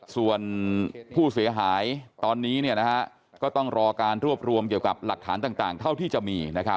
ส่วนผู้เสียหายตอนนี้ก็ต้องรอการรวบรวมเกี่ยวกับหลักฐานต่างเท่าที่จะมี